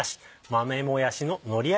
豆もやしののりあ